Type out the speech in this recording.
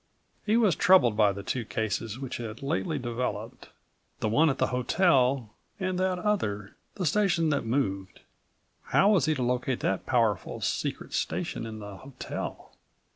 He was troubled by the two cases which had lately developed: the one at the hotel and that other, the station that moved. How was he to locate that powerful secret station in the hotel?